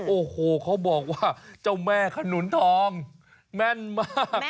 โอ้โหเขาบอกว่าเจ้าแม่ขนุนทองแม่นมาก